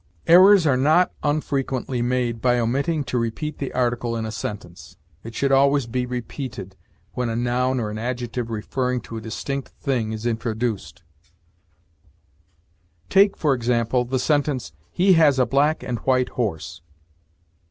Errors are not unfrequently made by omitting to repeat the article in a sentence. It should always be repeated when a noun or an adjective referring to a distinct thing is introduced; take, for example, the sentence, "He has a black and white horse."